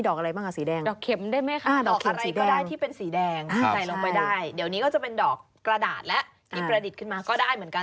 ได้เดี๋ยวนี้ก็จะเป็นดอกกระดาษและติดประดิษฐขึ้นมาก็ได้เหมือนกัน